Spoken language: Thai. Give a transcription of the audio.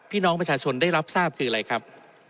พี่น้องประชาชนได้รับทราบคืออะไรครับ